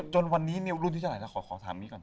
จนวันนี้มีรุ่นที่จะไหนนะขอถามนี้ก่อน